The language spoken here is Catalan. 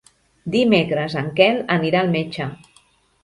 Dimecres en Quel anirà al metge.